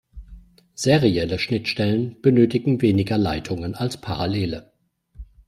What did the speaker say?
Serielle Schnittstellen benötigen weniger Leitungen als parallele.